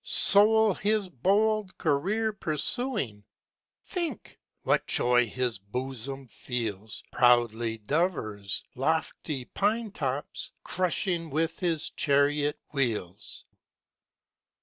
Sole his bold career pursuing, Think! what joy his bosom feels, Proudly DovreŌĆÖs lofty pine tops Crushing with his chariot wheels.